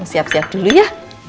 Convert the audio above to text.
siap siap dulu ya